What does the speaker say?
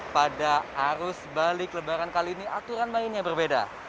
pada arus balik lebaran kali ini aturan mainnya berbeda